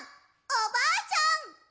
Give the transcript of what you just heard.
おばあちゃん。